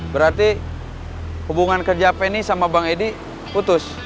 berarti hubungan kerja penny sama bang edi putus